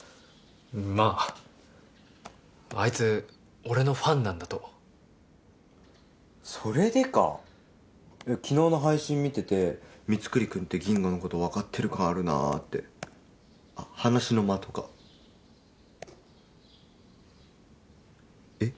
まぁあいつ俺のファンなんだとそれでか昨日の配信見ててミツクリくんってギンガのこと分かってる感あるなぁってあっ話の間とかえっ？